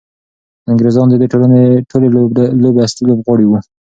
انګریزان د دې ټولې لوبې اصلي لوبغاړي وو.